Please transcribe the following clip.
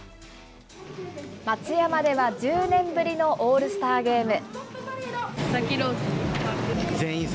松山では１０年ぶりのオールスターゲーム。